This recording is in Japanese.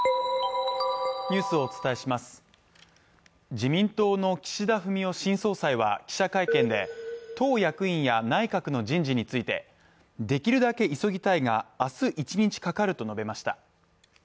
自民党の岸田文雄新総裁は記者会見で党役員や内閣の人事についてできるだけ急ぎたいが明日一日かかると述べました。